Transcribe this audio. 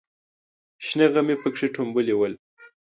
شنه غمي پکې ټومبلې ول.